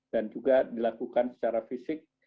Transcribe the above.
dan juga dilakukan secara fisik